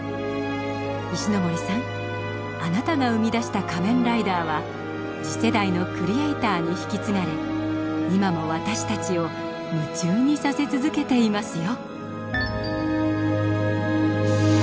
石森さんあなたが生み出した「仮面ライダー」は次世代のクリエイターに引き継がれ今も私たちを夢中にさせ続けていますよ。